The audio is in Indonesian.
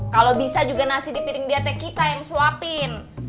kalo bisa juga nasi di piring dietnya kita yang suapin